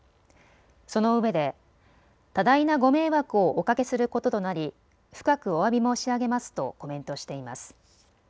そのうえで多大なご迷惑をおかけすることとなり、深くおわび申し上げますとコメントしています。